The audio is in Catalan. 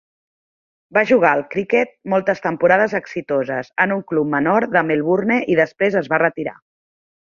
Va jugar al criquet moltes temporades exitoses en un club menor de Melbourne i després es va retirar.